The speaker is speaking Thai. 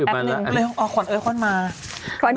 แล้วก็นิ่งไปแปปนึง